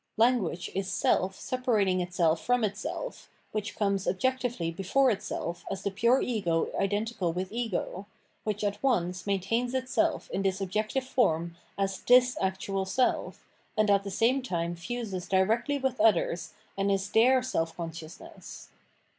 Language is seK separating itself from itself, which comes objectively before itself as the pure ego identical with ego, which at once maintains itself in this objective form as this actual self, and at the same time fuses directly with others and is their self consciousness.